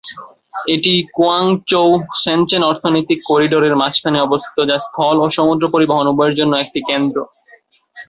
এটি কুয়াংচৌ-শেনচেন অর্থনৈতিক করিডোরের মাঝখানে অবস্থিত, যা স্থল ও সমুদ্র পরিবহন উভয়ের জন্য একটি কেন্দ্র।